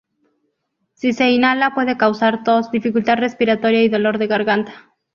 Si se inhala, puede causar tos, dificultad respiratoria y dolor de garganta.